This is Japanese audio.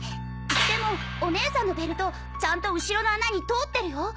でもお姉さんのベルトちゃんと後ろの穴に通ってるよ！